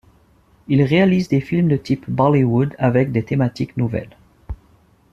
Il réalise des films de type Bollywood mais avec des thématiques nouvelles.